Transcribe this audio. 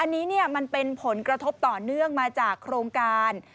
อันนี้มันเป็นผลกระทบต่อเนื่องมาจากโครงการ